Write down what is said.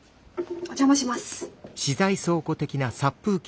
お邪魔します。